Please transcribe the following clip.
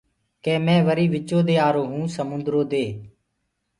ڪي مي وري وِچو دي آرو هو سموندرو دي۔